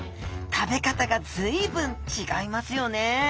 食べ方がずいぶん違いますよねえ。